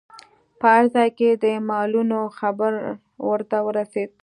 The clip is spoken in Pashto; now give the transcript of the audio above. په هر ځای کې د مالونو خبر ورته ورسید.